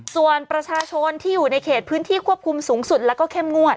ส่วนประชาชนที่อยู่ในเขตพื้นที่ควบคุมสูงสุดแล้วก็เข้มงวด